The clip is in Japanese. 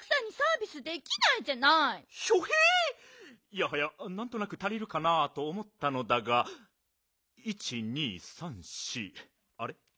いやはやなんとなく足りるかなとおもったのだが１２３４あれ？